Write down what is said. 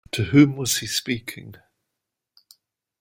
To whom was he speaking?